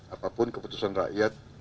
apapun keputusan rakyat